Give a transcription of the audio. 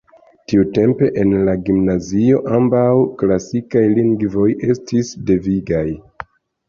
Tiutempe en la gimnazio ambaŭ klasikaj lingvoj estis devigaj.